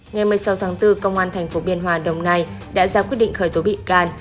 ngày một mươi sáu tháng bốn công an tp biên hòa đồng nai đã ra quyết định khởi tố bị can